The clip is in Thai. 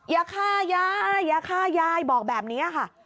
อย่าฆ่ายายอย่าฆ่ายายบอกแบบนี้ค่ะ